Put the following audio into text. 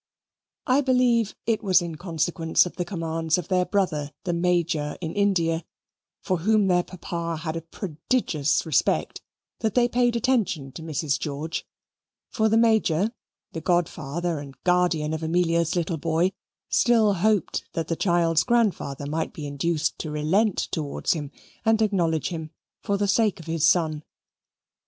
I believe it was in consequence of the commands of their brother the Major in India (for whom their papa had a prodigious respect), that they paid attention to Mrs. George; for the Major, the godfather and guardian of Amelia's little boy, still hoped that the child's grandfather might be induced to relent towards him and acknowledge him for the sake of his son.